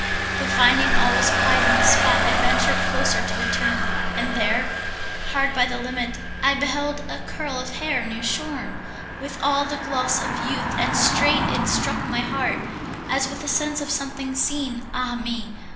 But finding all was quiet in the spot, I ventured closer to the tomb, and there, Hard by the limit, I beheld a curl Of hair new shorn, with all the gloss of youth And straight it struck my heart, as with a sense Of something seen, ah me!